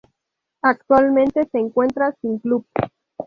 Actualmente se encuentra sin club.